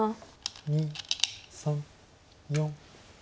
２３４。